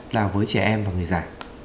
là với trẻ em và người già